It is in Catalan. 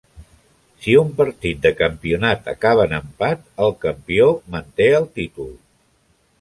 Si un partit de campionat acaba en empat, el campió manté el títol.